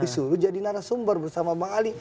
disuruh jadi narasumber bersama bang ali